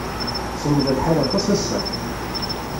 Semmeḍ lḥal aṭas ass-a.